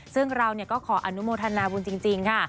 ซึ่งเราก็ขออนุโมทนาบุญจริงค่ะ